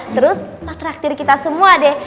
terus nge tractir kita semua deh